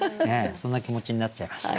そんな気持ちになっちゃいました。